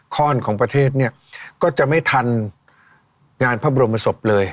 ข้อนของประเทศเนี่ยก็จะไม่ทันงานพระบรมศพเลย